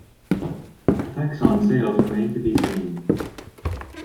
Effects on sales remains to be seen.